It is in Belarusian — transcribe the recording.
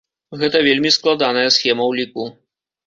Гэта вельмі складаная схема ўліку.